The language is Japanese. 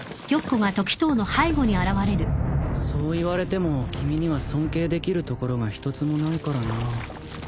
そう言われても君には尊敬できるところが一つもないからなぁ。